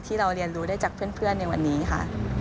ที่เราเรียนรู้ได้จากเพื่อนในวันนี้ค่ะ